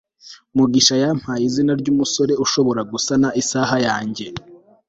mugisha yampaye izina ryumusore ushobora gusana isaha yanjye